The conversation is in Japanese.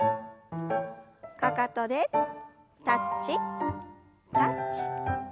かかとでタッチタッチ。